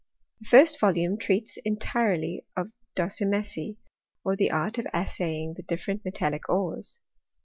The first volume treats en tirely of docimasy, or the art of assaying the different metallic ores.